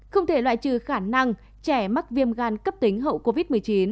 không thể loại trừ khả năng trẻ mắc viêm gan cấp tính hậu covid một mươi chín